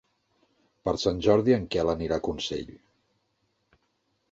Per Sant Jordi en Quel anirà a Consell.